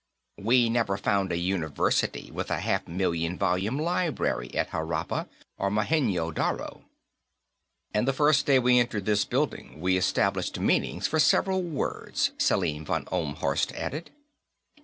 "We never found a university, with a half million volume library, at Harappa or Mohenjo Daro." "And, the first day we entered this building, we established meanings for several words," Selim von Ohlmhorst added.